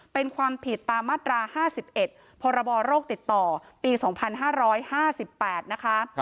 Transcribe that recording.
เป็นความผิดตามมาตรา๕๑พรบโรคติดต่อปี๒๕๕๘นะคะ